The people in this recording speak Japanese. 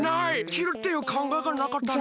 きるっていうかんがえがなかったな。